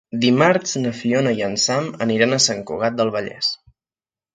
Dimarts na Fiona i en Sam aniran a Sant Cugat del Vallès.